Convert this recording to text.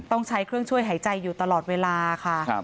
ต้องใช้เครื่องช่วยหายใจอยู่ตลอดเวลาค่ะ